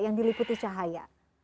yang diliputi cahaya